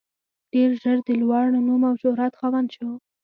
ډېر ژر د لوړ نوم او شهرت خاوند شو.